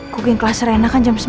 kok yang kelas arena kan jam sembilan